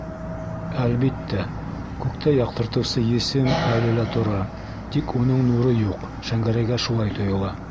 Әлбиттә, күктә яҡтыртыусы есем әле лә тора, тик уның нуры юҡ - Шәңгәрәйгә шулай тойола.